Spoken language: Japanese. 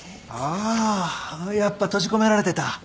あやっぱ閉じ込められてた？